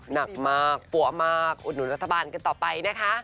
หนักมากปั๊วมากอุดหนุนรัฐบาลกันต่อไปนะคะ